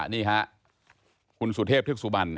นี่ค่ะคุณสุเทพเทือกสุบัน